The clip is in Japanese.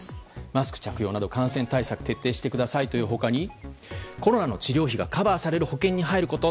マスク着用など感染対策を徹底してくださいという他にコロナの治療費がカバーされる保険に入ること。